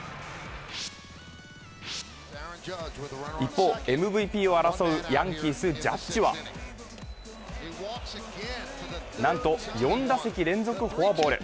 一方、ＭＶＰを争うヤンキース・ジャッジはなんと４打席連続フォアボール。